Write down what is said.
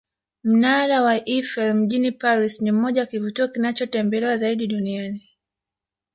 Mnara wa Eifel mjini Paris ni mmoja ya kivutio kinachotembelewa zaidi duniani